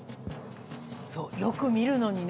そうよく見るのにね。